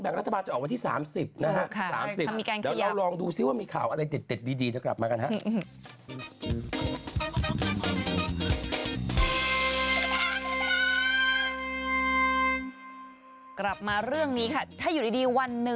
อยากดูอะไรเดี๋ยวเอามาให้คุณผู้ชมดูได้ไหม